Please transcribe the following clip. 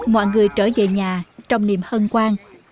mọi người trở về nhà trong niềm hân quang